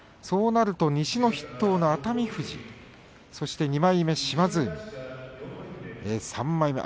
そうなると、西の筆頭の熱海富士２枚目島津海。